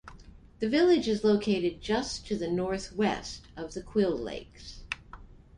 The village is located just to the northwest of the Quill Lakes.